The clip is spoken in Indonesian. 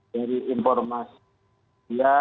dari informasi dia